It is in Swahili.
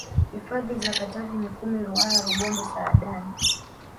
Hifadhi za Katavi Mikumi Ruaha Rubondo Saadani